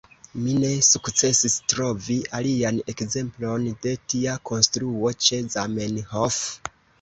Mi ne sukcesis trovi alian ekzemplon de tia konstruo ĉe Zamenhof.